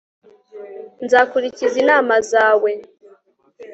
nzakurikiza inama zawe